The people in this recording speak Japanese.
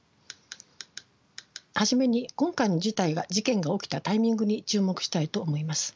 初めに今回の事態が事件が起きたタイミングに注目したいと思います。